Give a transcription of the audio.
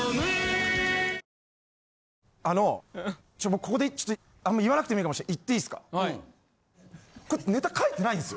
ここでちょっとあんま言わなくていいかも言っていいすか？